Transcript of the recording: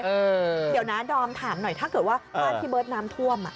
เดี๋ยวนะดอมถามหน่อยถ้าเกิดว่าบ้านพี่เบิร์ตน้ำท่วม